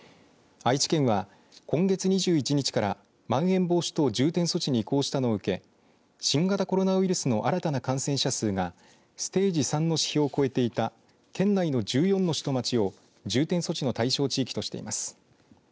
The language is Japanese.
愛知県は、今月２１日からまん延防止等重点措置に移行したのを受け新型コロナウイルスの新たな感染者数がステージ３の指標を超えていた県内の１４の市と町を重点措置の対象地域としています。